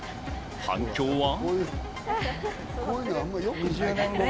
反響は。